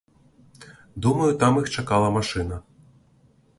Думаю, там іх чакала машына.